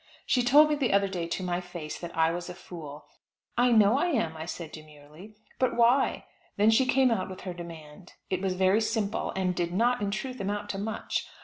She told me the other day to my face, that I was a fool. "I know I am," said I demurely, "but why?" Then she came out with her demand. It was very simple, and did not in truth amount to much.